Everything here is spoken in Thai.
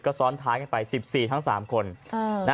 ก็ซ้อนท้ายกันไป๑๔ทั้ง๓คน